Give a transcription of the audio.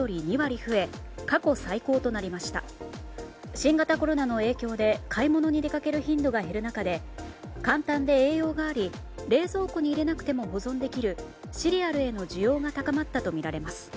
新型コロナの影響で買い物に出かける頻度が減る中で簡単で栄養があり冷蔵庫に入れなくても保存できるシリアルへの需要が高まったとみられます。